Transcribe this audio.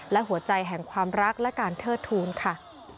และหัวใจแห่งความรักและการเทิดทูลค่ะ